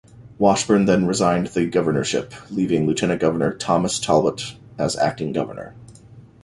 Washburn then resigned the governorship, leaving Lieutenant Governor Thomas Talbot as Acting Governor.